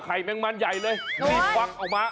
แมงมันใหญ่เลยรีบควักออกมา